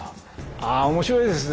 ああ面白いですね。